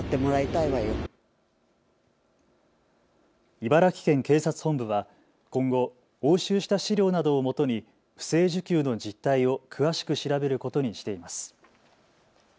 茨城県警察本部は今後、押収した資料などをもとに不正受給の実態を詳しく調べることにしています。